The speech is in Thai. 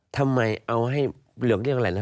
ทำไมเอาให้เรียกอะไรนะ